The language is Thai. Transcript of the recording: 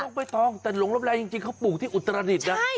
ล็าปไปทองแต่หลงลับแลจริงจริงเขาปลูกที่อุตรฐานิดใช่